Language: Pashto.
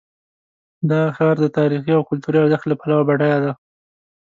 دا ښار د تاریخي او کلتوري ارزښت له پلوه بډایه دی.